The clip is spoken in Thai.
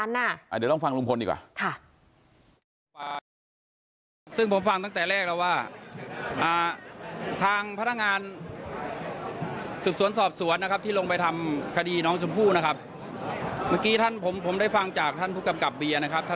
หมายความว่ายังไงกันได้ทำไมมันไม่ตรงกันนะ